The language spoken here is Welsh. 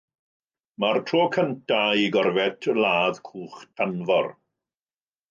Dyma'r tro cyntaf i gorfét ladd cwch tanfor.